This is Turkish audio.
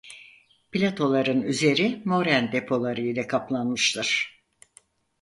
Platoların üzeri moren depoları ile kaplanmıştır.